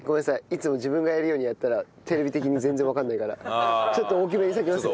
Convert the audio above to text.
いつも自分がやるようにやったらテレビ的に全然わからないからちょっと大きめにさきます。